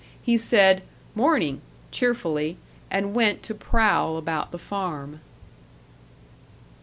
He said, "Mornin'," cheerfully, and went to prowl about the farm.